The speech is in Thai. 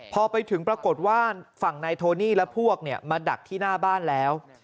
พอไปถึงปรากฏว่าฝั่งนายโทนี่และพวกมาดักที่หน้าบ้านแล้ว